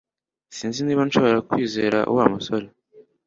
Sinzi niba nshobora kwizera Wa musore